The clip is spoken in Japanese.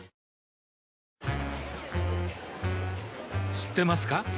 知ってますか？